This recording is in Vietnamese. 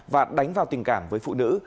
và đánh vào tình cảm với phụ nữ